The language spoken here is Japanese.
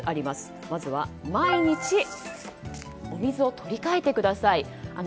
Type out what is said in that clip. まずは、毎日お水を取り換えてください。